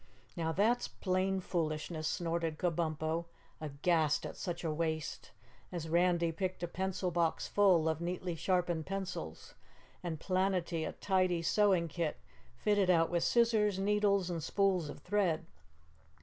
"Now, that's plain foolishness," snorted Kabumpo, aghast at such a waste, as Randy picked a pencil box full of neatly sharpened pencils and Planetty a tidy sewing kit fitted out with scissors, needles and spools of thread.